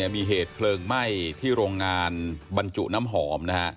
มีเหตุเพลิงไหม้ที่โรงงานบรรจุน้ำหอมนะฮะ